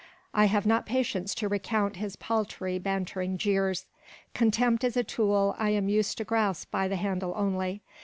I have not patience to recount his paltry, bantering jeers. Contempt is a tool I am used to grasp by the handle only.